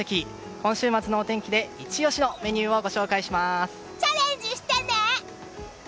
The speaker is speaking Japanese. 今週末のお天気で、イチ押しのチャレンジしてね！